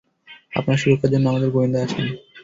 আপনার সুরক্ষার জন্য আমাদের গোয়েন্দা আছেন।